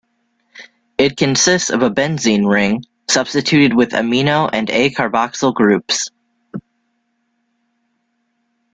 It consists of a benzene ring substituted with amino and a carboxyl groups.